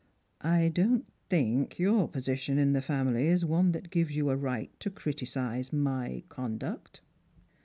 I don't think your position in^ the family is one that gives you a right to criticise my conduct."